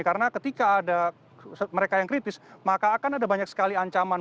karena ketika ada mereka yang kritis maka akan ada banyak sekali ancaman